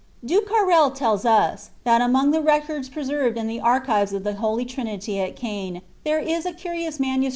Ducard lelU us, that among the records preserved in the archives of the Holy Trinity at Caen, there is a curious MS.